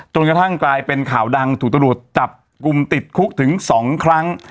จนกระทั่งกลายเป็นข่าวดังถูกตำรวจจับกลุ่มติดคุกถึง๒ครั้ง